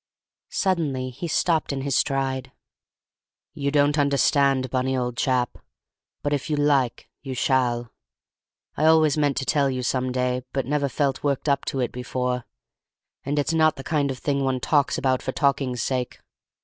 Suddenly he stopped in his stride. "You don't understand, Bunny, old chap; but if you like you shall. I always meant to tell you some day, but never felt worked up to it before, and it's not the kind of thing one talks about for talking's sake.